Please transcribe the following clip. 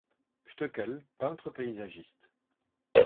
Stöckel, peintre paysagiste.